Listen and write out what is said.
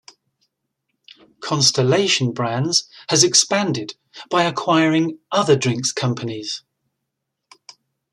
Constellation Brands has expanded by acquiring other drinks companies.